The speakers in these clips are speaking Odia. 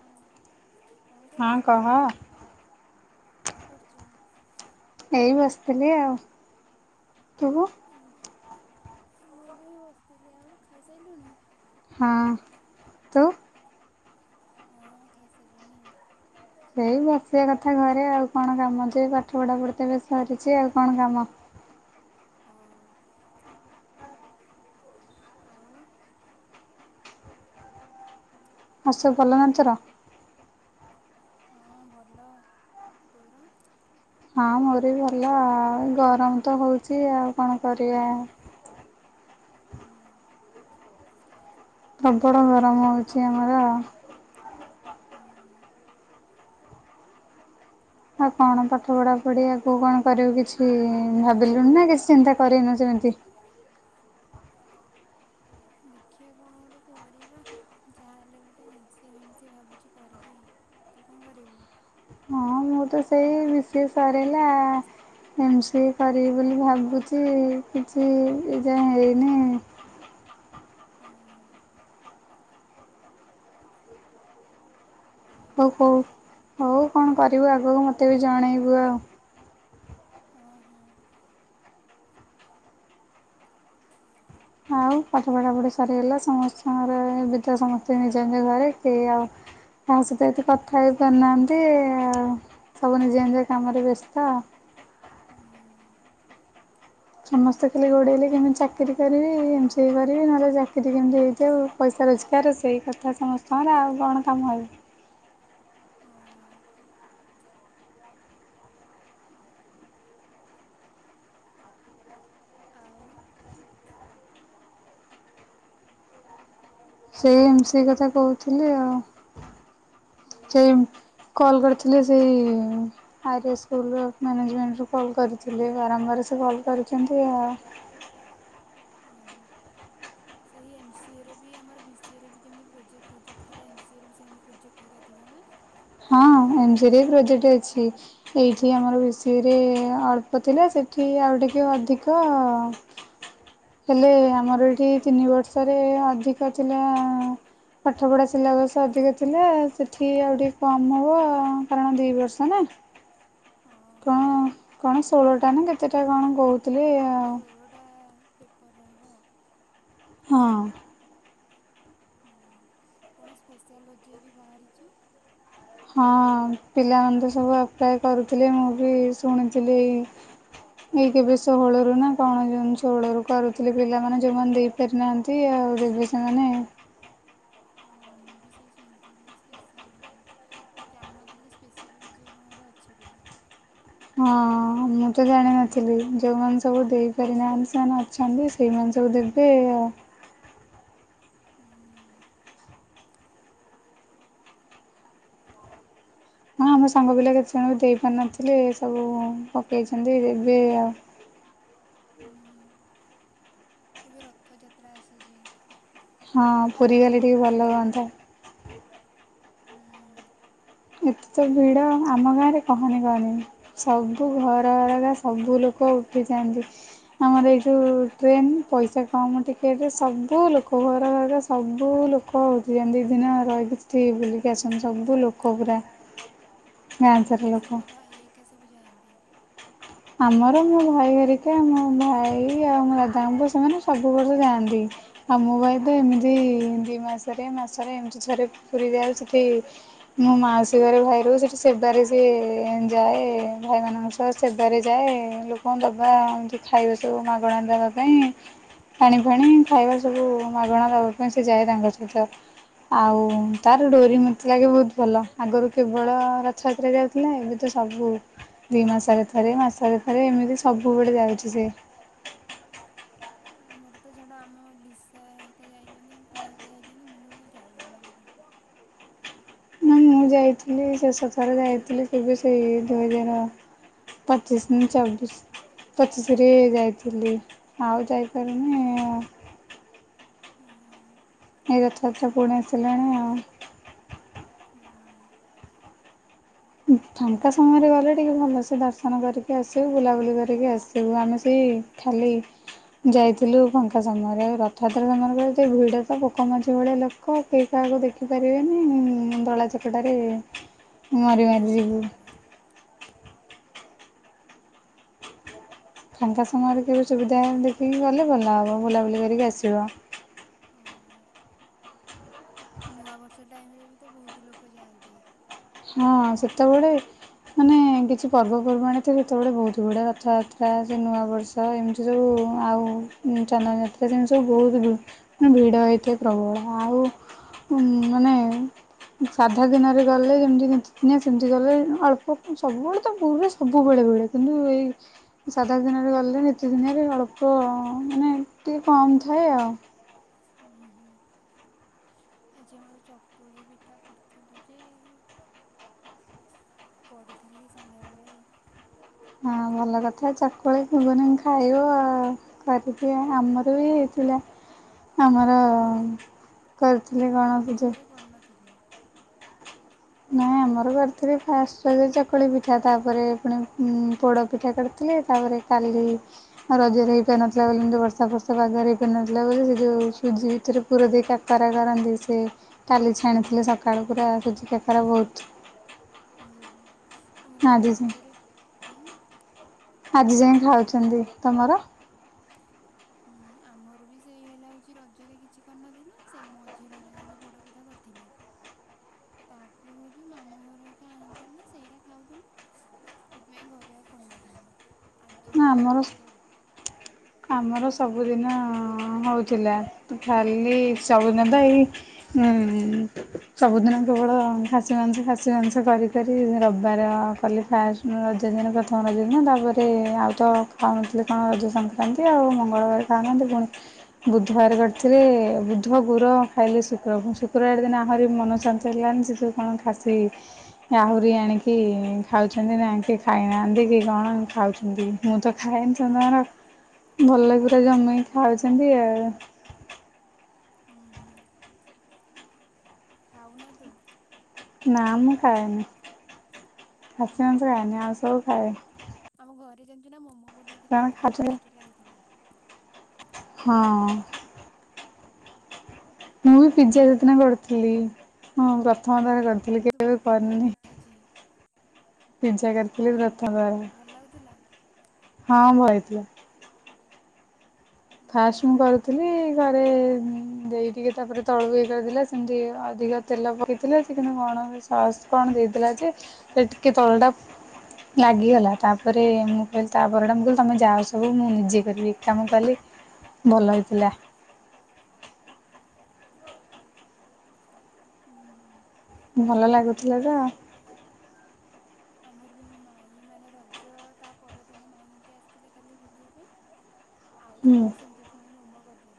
ହଁ କଣ ହଁ କରୁଛୁ କହ। କଣ କରଚ? ଏଇ ବସଥିଲି ଆଉ। କେବେ? ଓହୋ ମୁଁ ବି ଏଇ ବସଥିଲି ଆଉ ଖାଇସାଇଲୁଣି? ହଁ ତ ହଁ ଖାଇସାରଲିଣି। ସେଇ ବସିବା କଥା ଘରେ ଆଉ କଣ କାମ ଯେ ପାଠ ପଢାପଢି ତ ଏବେ ସରିଛି ଆଉ କଣ କାମ। ହଁ ଆଉ। ଆଉ ସବୁ ଭଲନା ତୋର? ହଁ ଭଲ। ତୋର? ହଁ ମୋର ବି ଭଲ ଆଉ ଗରମ ତ ହୋଉଚି ଆଉ କଣ କରିବା। ହୁଁ। ପ୍ରବଳ ଗରମ ହୋଉଚି ଆମର। ହୁଁ। ଆଉ କଣ ପାଠ ପଢାପଢି ଆଗକୁ କଣ କରିବୁ କିଛି ଭାବିଲୁଣି ନା କିଛି ଚିନ୍ତା କରିନୁ ସେମିତି। ଦେଖିବା କଣ ଗୋଟେ କରିବା ଯାହାହେଲେ ଗୋଟେ ଏନ୍ ସିଏ ଫେନ୍ ସିଏ ଭାବୁଚି କରିବି। ତୁ କଣ କରିବୁ? ହଁ ମୁଁ ତ ସେଇ ବିସିଏ ସରିଲା ଏମ୍ ସିଏ କରିବି ବୋଲି ଭାବୁଚି କିଛି ଏ ଯାଏଁ ହେଇନି। ହୁଁ। ଆଉ ଓ ହୋଉ ହୋଉ କଣ କରିବୁ ଆଗକୁ ମୋତେ ବି ଜଣେଇବୁ ଆଉ। ହଁ ହଁ। ଆଉ ପାଠ ପଢ଼ାପଢ଼ି ସରିଗଲା ସମସ୍ତଙ୍କର ଏବେତ ସମସ୍ତେ ନିଜ ନିଜ ଘରେ କେହି ଆଉ କାହା ସହିତ ଏତେ କଥା ହେଇ ପାରୁନାହାନ୍ତି ଆଉ ସବୁ ନିଜ ନିଜ କାମରେ ବ୍ୟସ୍ତ। ହୁଁ। ସମସ୍ତେ ଖଲି ଗୋଡ଼େଇଲେ କେମିତି ଚାକିରି କରିବି ଏମ୍ ସିଏ କରିବି ନହେଲେ ଚାକିରି କେମତି ହେଇଯାଉ ପଇସା ରୋଜଗାର ସେଇ କଥା ସମସ୍ତଙ୍କର ଆଉ କଣ କାମ ଆଉ। ହଁ ଆଉ ସେଇ ଏମ୍ ସି ସେଇ କଥା କହୁଥୁଲି ଆଉ ହୁଁ ସେଇ କଲ୍ କରିଥି ଥିଲେ ସେଇ ଆର୍ ଏସ୍ ସ୍କୁଲ ଅଫ୍ ମ୍ୟାନେଜମେଣ୍ଟରୁ କଲ୍ କରିଥିଲେ ବାରମ୍ବାର ସେ କଲ୍ କରିଚନ୍ତି ଆ ଓହୋ ସେଇ ଏମ୍ ସିଏରେ ବି ଆମର ବିସିଏରେ ବି ଯେମତି ପ୍ରୋଜେକ୍ଟ ଫ୍ରୋଜେକ୍ଟ ଥିଲା ଏମ୍ ସିଏ ସେମତି ପ୍ରୋଜେକ୍ଟ ହେଇକା ଥିବନା? ହଁ ଏମସିରେ ବି ପ୍ରୋଜେକ୍ଟ ଅଛି ଏଇଠି ଆମର ବିସିଏରେ ଅଳ୍ପ ଥିଲା ସେଠି ଆଉ ଟିକେ ଅଧିକ ହେଲେ ଆମର ଏଇଠି ତିନି ବର୍ଷରେ ଅଧିକ ଥିଲା ପାଠପଢ଼ା ସିଲାବସ୍ ଅଧିକ ଥିଲା ସେଠି ଆଉ ଟିକେ କମ୍ ନବ କାରଣ ଦୁଇ ବର୍ଷ ନା। ହଁ। କଣ କଣ ଷୋଳଟା ନା କେତେଟା କଣ କହୁଥୁ ଷୋଳଟା ପ ରହିବ। ହଁ। କଣ ସ୍ପେସିଆଲୋଜେଇ ବି ବାହାରିଚି। ହଁ ପିଲାମାନେ ତ ସବୁ ଆପ୍ଲାଏ କରୁଥିଲେ ମୁଁ ବି ଶୁଣିଥିଲି ଏଇ ଏଇ କେବେ ଷୋହଳରୁ ନା କଣ ଜୁନ ଷୋହଳରୁ କରୁଥୁଲି ପିଲାମାନେ ଯୋଉମାନେ ଦେଇପାରିନାହାଁନ୍ତି ଆଉ ଦେବେ ସେମାନେ। ହଁ ମୁଁ ବି ସେଇ ଶୁଣିଥିଲି ସ୍ପେଶିଆଲୋଜି ଜାଣିନଥିଲି ସ୍ପେଶିଆଲୋଜି କଣ ଗୋଟେ ଅଛି ବୋଲି। ହଁ ମୁଁ ତ ଜାଣିନଥିଲି ଯୋଉମାନେ ସବୁ ଦେଇପାରିନାହାନ୍ତି ସେମାନେ ଅଛନ୍ତି ସେଇମାନେ ସବୁ ଦେବେ ଆ ହୁଁ। ହଁ ଆମେ ସାଙ୍ଗପିଲା କେତେଜଣ ବି ଦେଇପାରିନଥିଲେ ସବୁ ପକେଇଛନ୍ତି ଦେବେ ଆଉ। ହୁଁ। ଏବେ ରଥଯାତ୍ରା ଆସୁଚି। ହଁ ପୁରୀ ଗଲେ ଟିକେ ଭଲ ହୁଅନ୍ତା। ହୁଁ। ଏତେ ତ ଭିଡ଼ ଆମ ଗାଁରେ କହନି କହନି ସବୁ ଘର ଅଲଗା ସବୁ ଲୋକ ଉଠିଯାଆନ୍ତି ଆମର ଏଇ ଯେଉଁ ଟ୍ରେନ ପଇସା କମ୍ ଟିକେଟରେେ ସବୁ ଲୋକ ଘର ଘର ସବୁ ଲୋକ ଉଠିଯାଆନ୍ତି ଦି ଦିନ ରହିକି ବୁଲିକି ଆସଛନ୍ତି ସବୁ ଲୋକ। କୋବ୍ରା। ଆମର ବି ସେଇ ମୋ ଭାଇ ଏକା ସବୁ ଯାଆନ୍ତି ଆମର ମୋ ଭାଇ ହେରିକା ମୋ ଭାଇ ଆଉ ମୋ ଦାଦା ଙ୍କ ପୁଅ ସେମାନେ ସବୁ ବର୍ଷ ଯାଆନ୍ତି ଆଉ ମୋ ଭାଇ ତ ଏମିତି ଦି ମାସରେ ମାସରେ ଏମିତି ଥରେ ପୁରୀ ଯାାଉ ସେଠି ମୋ ମାଉସୀ ଘରେ ଭାଇ ରହୁ ସେଠି ସେବାରେ ସିଏ ଯାଏ ଭାଇମାନାନଙ୍କ ସହ ସେ ସେବାରେ ଯାଏ ଲୋକଙ୍କୁ ଦବା ଏମତି ଖାଇବା ସବୁ ମାଗଣା ଦବା ପାଇଁ ପାଣି ଫାଣି ଖାଇବା ସବୁ ମାଗଣା ଦବା ପାଇଁ ସେ ଯାଏ ତାଙ୍କ ସହିତ ଆଉ ଓହୋ। ତାର ଡୋରି ମତି ଲାଗେ ବହୁତ ଭଲ ଆଗରୁ କେବଳ ରଥଯାତ୍ରା ଯାଉଥିଲା ଏବେ ତ ସବୁ ଦି ମାସରେ। ଥରେ ମାସାରେଥରେ ଏମିତି ସବୁବେଳେ ଯାଉଛି ସେ। ଆ ମମର ତ ଛଡା ଆମ ଲିସା ଏକା ଯାଇଛନ୍ତି ଆମ ପୁଅ ଏକା ଯାଇଛନ୍ତି ମୁଁ ଯାଇନି ମୂଳରୁ ନା ମୁଁ ଯାଇଥିଲି ଶେଷଥର ଯାଇଥିଲି କେବେ ସେଇ ଦୁଇ ହଜାର ପଚିଶ ଚବିଶ ପଚିଶରେ ଯାଇଥିଲି ଆଉ ଯାଇପାରୁନି। ହୁଁ ଏଇ ରଥଯାତ୍ରା ପୁଣି ଆସିଲାଣି ଆଉ। ହୁଁ ଫାଙ୍କା ସମୟରେ ଗଲେ ଟିକେ ଭଲସେ ଦର୍ଶନ କରିକି ଆସିବୁ ବୁଲାବୁଲି କରିକି ଆସିବୁ ଆମେ ସେଇ ଖାଲି ଯାଇଥିଲୁ ଫାଙ୍କା ସମୟରେ ଆଉ ରଥଯାତ୍ରା ସମୟରେ ଗଲେ ଭିଡ ତ ପୋକମାଝି ଭଳିଆ ଲୋକ କେହି କାହାକୁ ଦେଖିପାରିବେନି ଦଳା ଚକଟାରେ। ହଁ ମରି ମାରି ବହୁତ ଯିବୁ। ଭିଡ଼। ଫାଙ୍କା ସମୟରେ କେବେ ସୁବିଧା ଦେଖିକି ଗଲେ ଭଲ ହେବ ବୁଲାବୁଲି କରିକି ଆସିବ। ନୂଆ ବର୍ଷ ଟାଇମ ରେ ବି ତ ବହୁତ ଲୋକ ଯାଆନ୍ତି। ହଁ ସେତେବେଳେ ମାନେ କିଛି ପର୍ବପର୍ବାଣି ଥାଏ ସେତେବେଳେ ବହୁତ ଭିଡ଼ ରଥଯାତ୍ରା ସେ ନୂଆବର୍ଷ ଏମିତି ସବୁ ଆଉ ଚନ୍ଦନ ଯାତ୍ରା ସେମିତି ସବୁ ବହୁତ ମାନେ ଭିଡ଼ ହେଇଥାଏ ପ୍ରବଳ ଆଉ ମାନେ ସାଧା ଦିନରେ ଗଲେ ଯେମିତି ନିତିଦିନିଆ ସେମିତି ଗଲେ ଅଳ୍ପ ସବୁବେଳେ ତ ପୁରୀରେ ସବୁବେଳେ ବେଳେ କିନ୍ତୁ ଏଇ ସାଧା ଦିନରେ ଗଲେ ନିତିଦିନିଆରେ ଅଳ୍ପ ମାନେ ଟିକେ କମ୍ ଥାଏ ଆଉ। ହୁଁ ହୁଁ ଆଜି ଆମର ଚକୁଳି ପିଠା କରୁଥିଲୁ ଯେ କରୁଥିଲି ସନ୍ଧ୍ୟା ବେଳେ ହଁ ଭଲ କଥା ଚକୁଳି [unintelligible] ଖାଇବ ଆଉ କରିଥିବା ଆମର ବି ହେଇଥିଲା ଆମର। କରିଥିଲି ଆମର କଣ ପୂଜା ରଜରେ କରି ନଥିଲେ। ନାଇଁ ଆମର ରଜ ରେ ଫାଷ୍ଟ। ଏଇ ଚକୁଳି ପିଠା ତାପରେ ପୁଣି ପୋଡ଼ପିଠା କରିଥିଲେ ତାପରେ କାଲି ରଜରେ ହେଇପାରୁନଥିଲା ବୋଲି ମ୍ତି ବର୍ଷା ଫର୍ଷା ପାଗରେ ହେଇପାରୁନଥିଲା ବୋଲି ସେ ଯେଉଁ ସୁଜି ଭିତରେ ପୁରା ଦେଇ କାକରା କରନ୍ତି ସେ କାଲି ଛାଣିଥିଲେ ସକାଳୁ ପୁରା ସୁଜି କା କର ବହୁତ। ହୁଁ ହୁଁ ଆମର କାଲି ଆଜି ଯାଏଁ ରଜରେ ହୁଁ। ଆଜି ଯାଇଁ ଖାଉଛନ୍ତି ତମର? ହୁଁ ଆମର ବି ସେଇ ହେଲା ହଉଛି ରଜରେ କିଛି କରିନଥିଲୁ ସେଇ ମଝି ରଜ ଦିନ ପୋଡ଼ ପିଠା କରିଥିଲୁ ତାପରେ ହଉଛି ମାମୁଁ ଘର ଏକା ଆଣିଥିଲେ ସେଇଟା ଖାଉଥିଲୁ ସେଥିପାଇଁ ଘରେ ଆଉ କରିନଥିଲୁ। ଆଜି ଏଇ ନା ଆମର ଚକୁଳିପିଠା। ଆମର ସବୁଦିନ ହଉଥିଲା ଖାଲି ସବୁଦିନ ତ ଏଇ ସବୁଦିନ କେବଳ ଖାସି ମାଂସ ଖାସି ମାଂସ କରିିକରି ରବିବାର କଲି ଫାଷ୍ଟ ରଜ ଦିନ ପ୍ରଥମ ରଜ ଦିନ ତାପରେ ଆଉ ତ ଖାଉନଥିଲେ କଣ ରଜ ସ ସଂକ୍ରାନ୍ତି ଖାଉନାହାନ୍ତି ଆଉ ମଙ୍ଗଳବାର ଖାଉନାହାନ୍ତି ପୁଣି ବୁଧବାର କରିଥିଲେ ବୁଧ ଗୁର ଖାଇଲେ ଶୁକ୍ର ଶୁକ୍ରବାର ଦିନ ଆହୁରି ମନ ଶାନ୍ତ ହେଇଲାନି ସେ ତୁ କଣ ଖାସି ଆହୁରି ଆଣିକି ଖାଉଛନ୍ତି ନା କି ଖାଇନାହାନ୍ତି କି କଣ ଖାଉଛନ୍ତି ମୁଁ ତ ଖାଏନି ଜମାରୁ। ଭଲ ଲାଗୁ। ହୁଁ [unintelligible] ହୁଁ। ଖାଉଛନ୍ତି ଆଉ। [unintelligible] ହୁଁ ଖାଉ ନାହାନ୍ତି। ନା ମୁଁ ଖାଏନି। ହୁଁ ଖାସି ମାଂସ ହୁଁ ଖାଏନି ଆଉ ସ ଖାଏ। ଆମ ଘରେ ଯେମିତି ନା ମୁଁ। ବନେଇଥିଲେ ସେମାନେ ବଢିଆ ଖାଉଛନ୍ତି ଟେଷ୍ଟ ଲାଗୁଥିଲା। ହଁ। ମୁଁ ବି ପିଜା ସେଦିନ କରିଥିଲି ହଁ ପ୍ରଥମ ଥର କରିଥ କହିଲି ହଁ ତୁ କେବେ ପଠେଇଥିଲୁ ମୁଁ କରିନି। ଦେଖିଛି ପିଜା କରଥିଲି ପ୍ର ହଁ ଭଲ ଲାଗୁଥିଲା। ହଁ ଭାଇ। ୟ। ହୁଁ ଫାଷ୍ଟ ହୁଁ ମୁଁ କରୁଥିଲି ଘରେ ଦେଇ ଟିକେ ତାପରେ ତଳକୁ ଇଏ କରିଥିଲା ସେମିତି ଅଧିକ ତେଲ ପକେଇଥିଲା ସେ କିନ୍ତୁ କଣ ସସ୍ କଣ ଦେଇଥିଲା ଯେ ସେ ଟିକେ ତଳଟା ଲାଗିଗଲା ତାପରେ ମୁଁ କହିଲି ତାପରଟା ମୁଁ କହିଲି ତମେ ଯାଅ ସବୁ ମୁଁ ନିଜେ କରିବି ଏକା ମୁଁ କଲି। ଭଲ ହେଇଥିଲା। ହୁଁ ହୁଁ। ଭଲ ଲାଗୁଥିଲା ତ। ଆମର ବି ମୋ ମାଇଁ ମାନେ ରଜ ତା ପରଦିନ ମାଇଁ ଏମତି ଆସିଥିଲେ ଖାଲି ବୁଲିବା ପାଇଁ। ଆଉ ହୁଁ ଥରେ ବି ସେମିତି ପୁଣି ମୋମୋ କରି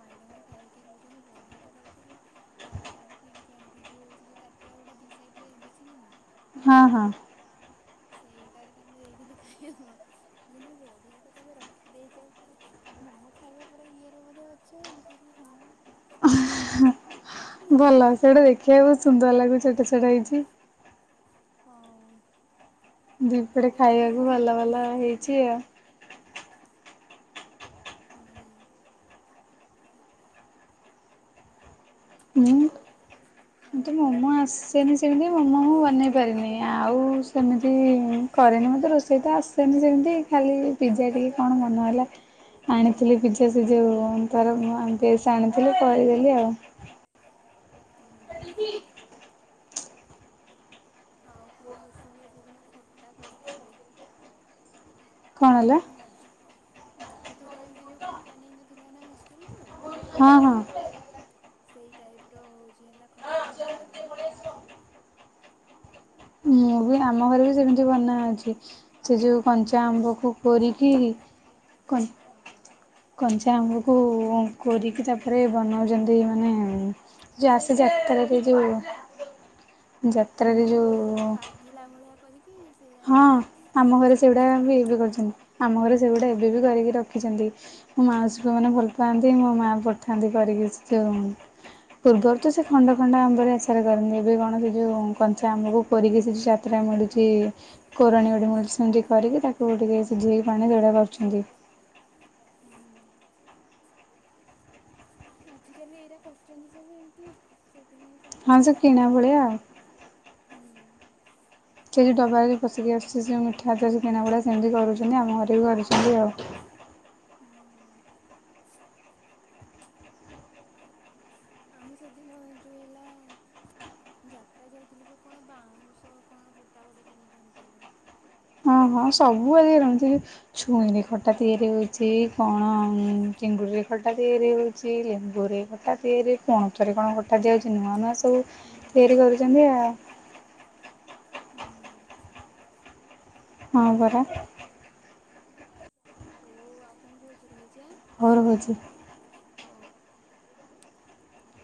ମାଇଁ ତାଙ୍କର ଖାଇକି କହୁଛନ୍ତି ବଢିଆ ତ କରିଥିଲୁ। ଯାତ୍ରା ରୁ କିଣି ଆଣିଥିଲି ହଉଛି ଯୋଉ ତାଟିଆ ଗୁଡା ଦି ସାଇଡରେ ଦେଖିନୁ ନା। ହଁ ହଁ। ସେଇଟାରେ ତାଙ୍କୁ ଦେଇଥିଲି ଖାଇବାକୁ ସେ କହୁଛନ୍ତି ବଢିଆ ତ ତମେ ରଖିଦେଇଛ ପୁରା ମୋମୋ ଖାଇବା ପୁରା ଇଏରେ ବୋଧେ ଅଛ ମୁଁ କହିଲି ହଁ। ଭଲ ସେଇଟା ଦେଖିବାକୁ ସୁନ୍ଦର ଲାଗୁଛି। ସେଥିରେ ସେଇଟା ହେଇଛି। ହଁ। ଦିପଟେ ଖାଇବାକୁ ଭଲ ଭଲ ହେଇଛି ଆଉ। ହୁଁ। ହୁଁ। କିନ୍ତୁ ଆଉ ମୋମୋ ଆସ ସେନି ସେମିତି ମୋମୋ ମୁଁ ବନେଇ ପାରେନି ଆଉ ସେମିତି କରେନି ମୋତେ ରୋଷେଇ ତ ଆସେନି ସେମିତି ଖାଲି ପିଜା ଟିକେ କଣ ମନ ହେଲା ଆଣିଥିଲି ପିଜା ସେ ଯେଉଁ ତର ବେଷ ଆଣିଥିଲି କରିଦେଲି ଆଉ। [inaudible] ହୁଁ ହୁଁ [unintelligible] ଆଉ କଣ ରେସିପି ସେଦିନ ଖଟା କରିଥିଲି। କଣ ହେଲା ଯେ ମଜ ମଧୁ ଥରେ ଯେମିତି ଯୋଉ ଖଟା ନେଇନଥିଲା ନା ହଷ୍ଟେଲ କୁ। ହଁ ହଁ। ସେଇ ଟାଇପ ର ହଉଛି ହେଲା ଖଟା ବନେଇଥିଲି। ମୁଁ ବି ଆମ ଘରେ ବି ସେମିତି ବନା ଅଛି ସେ ଯୋଉ କଞ୍ଚା ଆମ୍ବ କୁ କୋରିକି କନ ହଁ କଞ୍ଚା ସେ ଆମକୁ କୋରି କି ତାପରେ ବନୋଉ ଚନ୍ତି ମାନେ ଯୋଉ ଆସେ ଯାତ୍ରାରେ ଯୋଉ ହଁ ଯାତ୍ରାରେ ତେ ଯୋଉ ପାଗିଲା ଭଳିଆ କରିକି। ସେଇଟା ହଁ ଦେଇ ଦେଇକି ଆମ ଘରେ ମସଲା ସେଗୁଡା ଫସଲା ବି ଦେଇଦବୁ ଏବେ କରୁଛନ୍ତି ଆମ ଘରେ ସେଗୁଡା ଏବେ ବି କରିକି ର ଖି ମୋ ମାଉଶି ପୁଅ ମାନେ ଭଲ ପାଆନ୍ତି ମୋ ମା ପଠଥାନ୍ତି କରିକି ସେ ଯୋଉ ପୂର୍ବରୁ ତ ସେ ଖଣ୍ଡ ଖଣ୍ଡ ଆମ୍ବର ଆଚାରେ କରନ୍ତି ଏବେ କଣ ଯୋଉ କଞ୍ଚା ଆମକୁ କରିକି ସେ ଯୋ। [unintelligible] କୋରାଣୀ ଗୋଡି ସେ ମତି କରିକି ତାକୁ ଟିକେ ସିଝେଇକି ପାଣି ଉଡ଼ା କରୁଛନ୍ତି। [inaudible] ଆଜିକାଲି ଆଜି କାଲି ଏଇରା କରୁ ଚନ୍ତି ସବୁ ଏମତି ସେ ହଁ ସେ କିଣା ଭଳିଆଉ। ଉ ଡବାରେ ପସିକି ଆସୁଛି ଯେ ମିଠା ଆଦ କିଣା ଭଡା ସେମିତି କରୁଛନ୍ତି ଆମ ଘରେ ବି କରୁଛନ୍ତି ଆଉ। ହୁଁ। ଆମେ ସେଦିନ ଯୋଉ ହେଲା ଯାତ୍ରା ଯାଇଥିଲୁ ଯୋଉ କଣ ବାଉଁଶ କଣ ଖଟା ଗୋଟେ କିଣିକି ଆଣିଥିଲୁ। ହଁ ହଁ ସବୁଆ ରହୁଛି ଛୁଇଁ ରେ ଖଟା ତିଆରି ହଉଛି କଣ ଚିଙ୍ଗୁଡ଼ିରେ ଖଟା ତିଆରି ହଉଛି ଲେମ୍ବୁ ରେ ଖଟା ତିଆରି କଣଥରେ କଣ ଖଟା ଦିଆଯାଉଛି ନୂଆ ନୂଆ ସବୁ ହୁଁ ଡେରି କରୁଛନ୍ତି ଆଉ। ହୁଁ ହ ବରା। ହଉ ଆଉ କଣ କହୁଚୁ ରହୁଛି ଆଁ। ହଉ ରହୁଛି। ହୋଉ। [inaudible]